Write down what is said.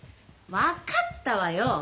分かったわよ。